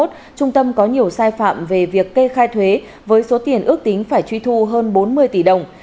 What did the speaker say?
trung tâm có nhiều sai phạm về việc kê khai thuế với số tiền ước tính phải truy thu hơn bốn mươi tỷ đồng